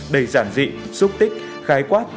đầy giản dị xúc tích khái quát